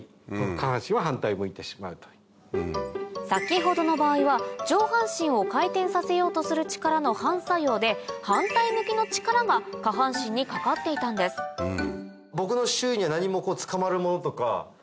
先ほどの場合は上半身を回転させようとする力の反作用で反対向きの力が下半身にかかっていたんですそうですね。